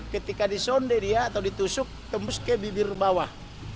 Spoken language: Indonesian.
ketika disonde dia atau ditusuk tembus ke bibir bawah